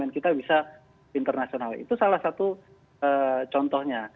lantas di korea selatan tadi kita bisa mendapatkan devisa itu salah satu contohnya